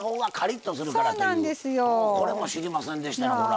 これも知りませんでしたな。